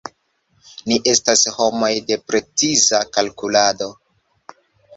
Ni estas homoj de preciza kalkulado.